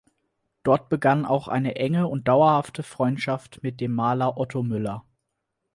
Dort begann auch eine enge und dauerhafte Freundschaft mit dem Maler Otto Müller.